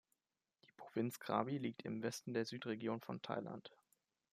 Die Provinz Krabi liegt im Westen der Südregion von Thailand.